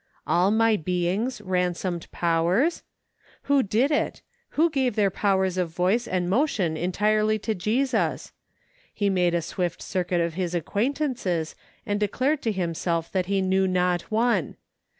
" All my being's ransomed powers ?" Who did it ? Who gave their powers of voice and motion entirely to Jesus ? He made a swift circuit of his acquaintances and declared to himself that he knew not one.